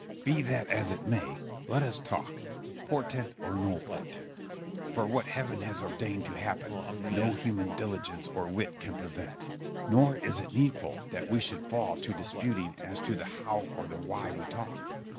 Scip. Be that as it may, let us talk, portent or no portent; for what heaven has ordained to happen, no human diligence or wit can prevent. Nor is it needful that we should fall to disputing as to the how or the why we talk.